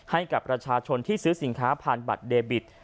ให้กับประชาชนที่ซื้อสินค้าผ่านบัตรเดบิต